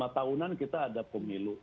lima tahunan kita ada pemilu